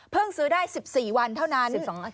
๑๙เพิ่งซื้อได้๑๔วันเท่านั้น